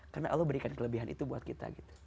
karena allah memberikan kelebihan itu buat kita